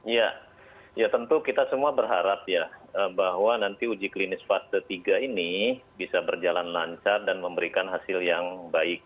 ya ya tentu kita semua berharap ya bahwa nanti uji klinis fase tiga ini bisa berjalan lancar dan memberikan hasil yang baik